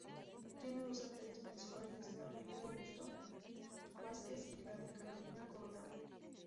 Tiene dos arterias principales: la avenida Augusto Vázquez y la de Carolina Coronado.